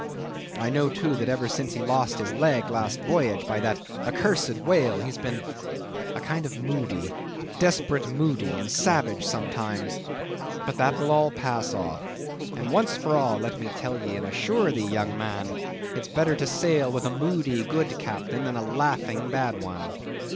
I know, too, that ever since he lost his leg last voyage by that accursed whale, he's been a kind of moody—desperate moody, and savage sometimes; but that will all pass off. And once for all, let me tell thee and assure thee, young man, it's better to sail with a moody good captain than a laughing bad one.